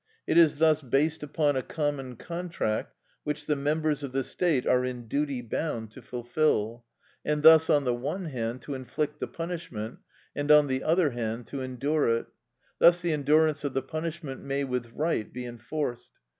It is thus based upon a common contract which the members of the state are in duty bound to fulfil, and thus, on the one hand, to inflict the punishment, and, on the other hand, to endure it; thus the endurance of the punishment may with right be enforced.